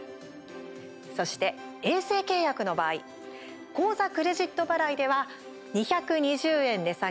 そして衛星契約の場合口座・クレジット払いでは２２０円値下げ